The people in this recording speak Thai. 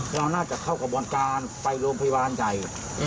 เราน่าจะเข้ากระบวนการไปโรงพยาบาลใหญ่